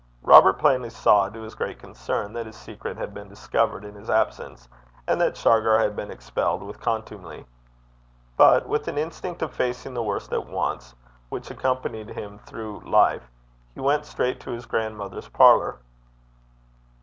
Robert plainly saw, to his great concern, that his secret had been discovered in his absence, and that Shargar had been expelled with contumely. But, with an instinct of facing the worst at once which accompanied him through life, he went straight to his grandmother's parlour.